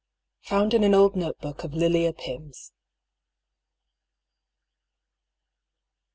FOUND IlSr AlSr OLD NOTEBOOK OF LILIA PYM'S.